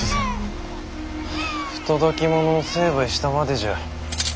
不届き者を成敗したまでじゃ。